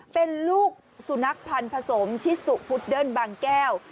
เป็นลูกสุนัขพันธ์ผสมชิสุพุดเดิ้ลบางแก้ว